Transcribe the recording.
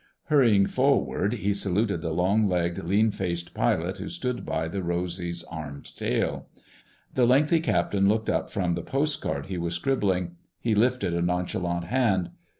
Hurrying forward, he saluted the long legged, lean faced pilot who stood by the Rosy's armed tail. The lengthy captain looked up from the postcard he was scribbling. He lifted a nonchalant hand.